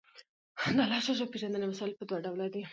د اللَّهِ ج پيژندنې وسايل په دوه ډوله دي